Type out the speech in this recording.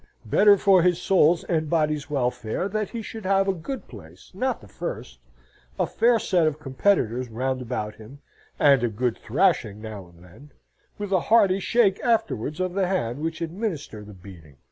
Better for his soul's and body's welfare that he should have a good place, not the first a fair set of competitors round about him, and a good thrashing now and then, with a hearty shake afterwards of the hand which administered the beating.